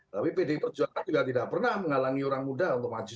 tapi pdi perjuangan juga tidak pernah menghalangi orang muda untuk maju